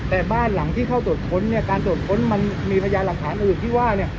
แต่บ้านหลังที่เข้าตรวจค้นเนี่ยการตรวจค้นมันมีพยานหลักฐานอื่นที่ว่าเนี่ย